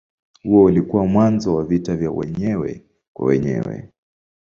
Huo ulikuwa mwanzo wa vita ya wenyewe kwa wenyewe.